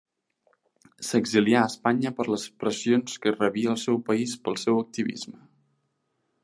S'exilià a Espanya per les pressions que rebia al seu país pel seu activisme.